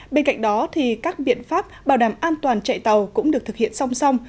bên cạnh đó các biện pháp bảo đảm an toàn chạy tàu cũng được thực hiện song song